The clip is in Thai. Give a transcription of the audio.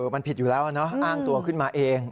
มันผิดอยู่แล้วอ้างตัวขึ้นมาเอง